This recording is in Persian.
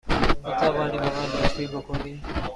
می توانی به من لطفی بکنی؟